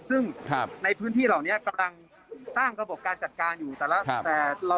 ซึ่งในพื้นที่เหล่านี้กำลังสร้างระบบการจัดการอยู่แต่ละ